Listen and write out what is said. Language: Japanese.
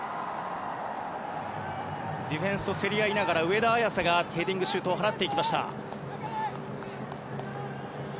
ディフェンスと競り合いながら上田綺世がヘディングシュートを放っていきました。